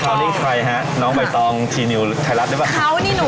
คราวนี้ใครฮะน้องใบตองทีนิวไทยรัฐหรือเปล่า